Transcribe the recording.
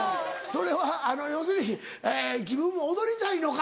それは要するに自分も踊りたいのか。